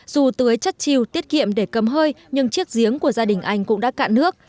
dù tưới chất chiều tiết kiệm để cấm hơi nhưng chiếc giếng của gia đình anh cũng đã cạn nước